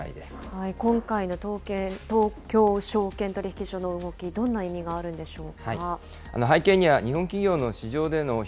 今回の東京証券取引所の動き、どんな意味があるんでしょうか。